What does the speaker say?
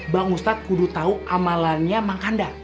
bang ustaz kudu tau amalannya mang kandar